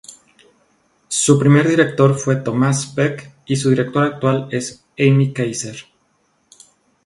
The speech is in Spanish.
Su primer director fue Tomás Peck, y su director actual es Amy Kaiser.